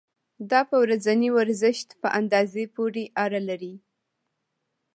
دا په ورځني ورزش په اندازې پورې اړه لري.